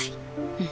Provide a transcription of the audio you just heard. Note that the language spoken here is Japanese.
うん。